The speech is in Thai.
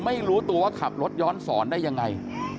ไม่รู้ตัวว่าขับรถย้อนสอนได้ยังไง